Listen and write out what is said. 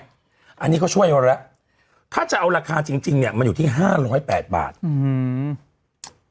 อันนี้ก็ช่วยกว่าแล้วถ้าจะเอาราคาจริงเนี่ยมันอยู่ที่๕๐๘บาทอื้อหือ